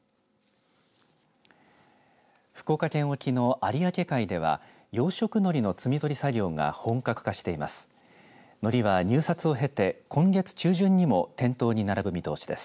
福岡県沖の有明海では養殖のりの摘み取り作業が本格化しています。